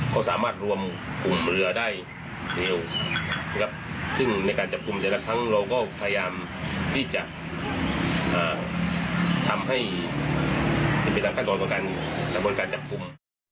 เขาสามารถรวมกลุ่มเรือได้เร็วซึ่งในการจับกลุ่มเฉพาะทั้งเราก็พยายามที่จะทำให้เป็นการกัดรวดการจับกลุ่ม